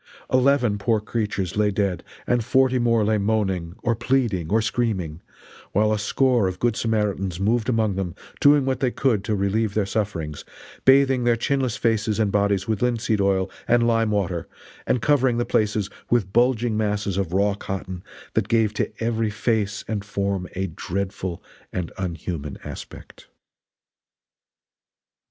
Eleven poor creatures lay dead and forty more lay moaning, or pleading or screaming, while a score of Good Samaritans moved among them doing what they could to relieve their sufferings; bathing their chinless faces and bodies with linseed oil and lime water and covering the places with bulging masses of raw cotton that gave to every face and form a dreadful and unhuman aspect.